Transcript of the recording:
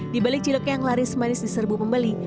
di balik cilok yang laris manis di serbu pembeli